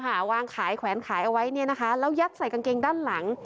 วางขายแขวนขายเอาไว้เนี่ยนะคะแล้วยัดใส่กางเกงด้านหลัง